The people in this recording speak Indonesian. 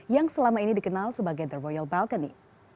yang selama ini dikenal sebagai the royal balcony